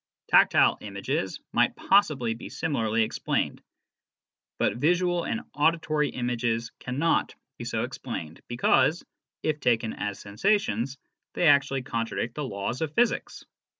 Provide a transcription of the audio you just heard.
Tactile images might possibly be similarly explained. But visual and auditory images cannot be so explained, because, if taken as sensations, they actually contradict the laws of physics.